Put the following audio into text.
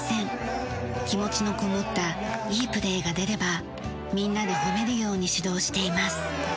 気持ちのこもったいいプレーが出ればみんなで褒めるように指導しています。